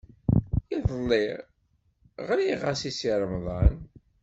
Iḍelli ɣriɣ-as i Si Remḍan.